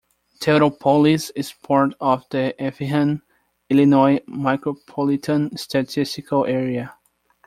Teutopolis is part of the Effingham, Illinois Micropolitan Statistical Area.